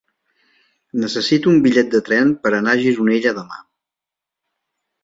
Necessito un bitllet de tren per anar a Gironella demà.